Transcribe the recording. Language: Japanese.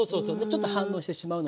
ちょっと反応してしまうの。